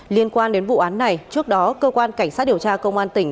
liên quan đến vụ án này trước đó cơ quan cảnh sát điều tra công an tỉnh